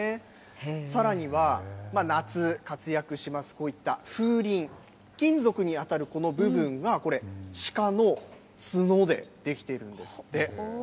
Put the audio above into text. さらには夏、活躍します、こういった風鈴、金属に当たるこの部分はこれ、シカの角で出来ているんですって。